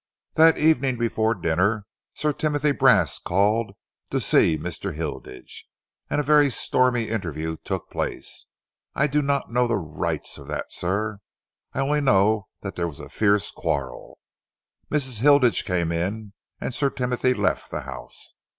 "That evening before dinner, Sir Timothy Brast called to see Mr. Hilditch, and a very stormy interview took place. I do not know the rights of that, sir. I only know that there was a fierce quarrel. Mrs. Hilditch came in and Sir Timothy left the house.